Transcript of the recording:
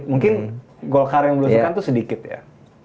mungkin gold car yang blo sukan tuh sedikit ya